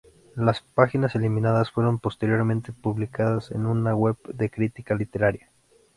Las páginas eliminadas fueron posteriormente publicadas en una web de crítica literaria.